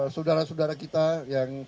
saudara saudara kita yang